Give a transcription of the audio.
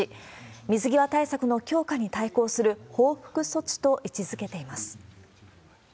水際対策の強化に対抗する報復措置と位置づけています。